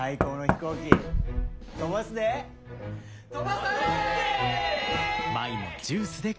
飛ばすで！